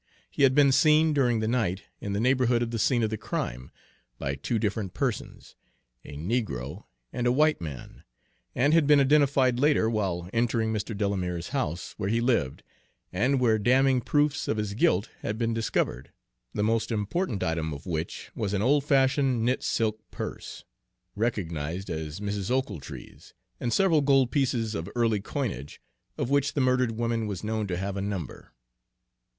He had been seen, during the night, in the neighborhood of the scene of the crime, by two different persons, a negro and a white man, and had been identified later while entering Mr. Delamere's house, where he lived, and where damning proofs of his guilt had been discovered; the most important item of which was an old fashioned knit silk purse, recognized as Mrs. Ochiltree's, and several gold pieces of early coinage, of which the murdered woman was known to have a number.